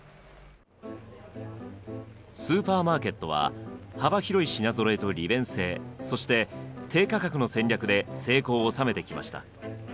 スーパーマーケットは幅広い品ぞろえと利便性そして低価格の戦略で成功を収めてきました。